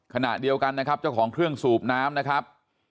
ขณะเดียวกันนะครับเจ้าของเครื่องสูบน้ำนะครับ